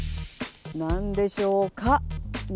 何でしょうか？